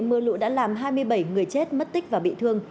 mưa lũ đã làm hai mươi bảy người chết mất tích và bị thương